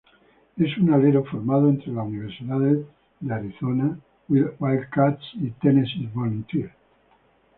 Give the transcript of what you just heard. Es un alero formado entre las universidades de Arizona Wildcats y Tennessee Volunteers.